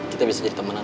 kita bisa jadi temanan